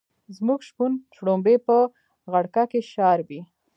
زموږ شپون شړومبی په غړکه کې شاربي.